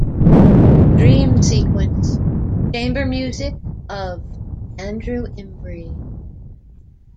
"Dream Sequence - Chamber Music of Andrew Imbrie".